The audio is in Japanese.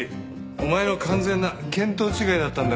お前の完全な見当違いだったんだから。